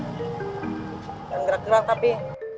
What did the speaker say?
jangan gerak gerak tapi